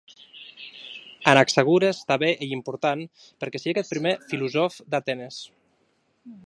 Anaxagores tanben ei important perque siguec eth prumèr filosòf d'Atenes.